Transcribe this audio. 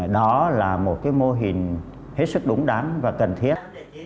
đó là một mô hình hết sức đúng đắn và cần thiết